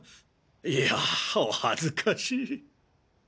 いやあお恥ずかしい。